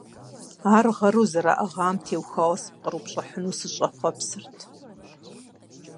Ар гъэру зэраӀыгъам теухуауэ сыпкърыупщӀыхьыну сыщӀэхъуэпсырт.